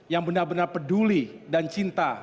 yang benar benar peduli dan cinta